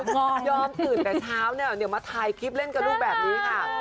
พอยอมตื่นแต่เช้าเนี่ยเดี๋ยวมาถ่ายคลิปเล่นกับลูกแบบนี้ค่ะ